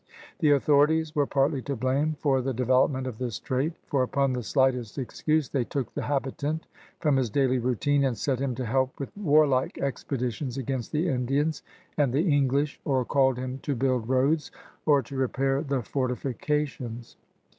The au thorities were partly to blame for the develop ment of this trait, for upon the slightest excuse they took the habitant from his daily routine and set him to help with warlike expeditions against the Indians and the English, or called him to build roads or to repair the fortifications.